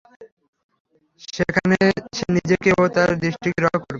সেখানে সে নিজেকে ও তার দৃষ্টিকে রক্ষা করবে।